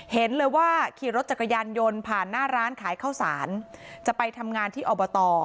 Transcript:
เห็นเลยว่าขี่รถจักรยานยนต์ผ่านหน้าร้านขายข้าวสารจะไปทำงานที่อบต